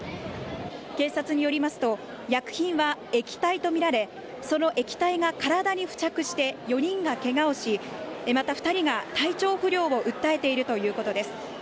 警察によりますと薬品は液体とみられその液体が体に付着して４人がけがをしまた２人が体調不良を訴えているということです。